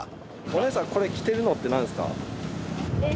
お姉さんこれ着てるのってなんですか？